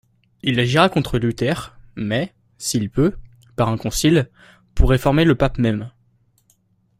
Il agira contre Luther, mais, s'il peut, par un concile, pour réformer le pape même.